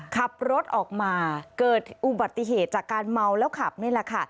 ขับรถออกมาเกิดอุบัติเหตุจากการเมาแล้วขับนี่แหละค่ะ